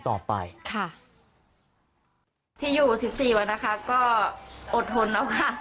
ต่อไปค่ะที่อยู่สิบสี่วันนะคะก็อดทนแล้วค่ะ